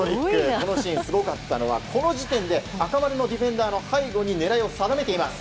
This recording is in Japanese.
このシーン、すごかったのがこの時点で赤丸のディフェンダーの背後に狙いを定めています。